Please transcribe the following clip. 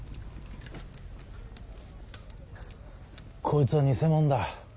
こいつは偽者だ。